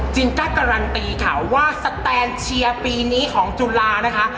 กล้าการันตีค่ะว่าสแตนเชียร์ปีนี้ของจุฬานะคะ